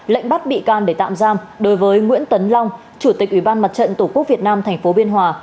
lệnh bắt bị can để tạm giam đối với nguyễn tấn long chủ tịch ủy ban mặt trận tổ quốc việt nam tp biên hòa